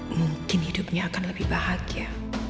mungkin hidupnya akan lebih bahagia